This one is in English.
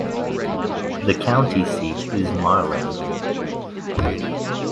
The county seat is Marlin.